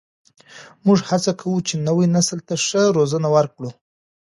موږ هڅه کوو چې نوي نسل ته ښه روزنه ورکړو.